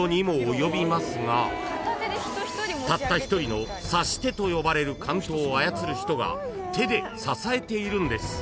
及びますがたった一人の差し手と呼ばれる竿燈を操る人が手で支えているんです］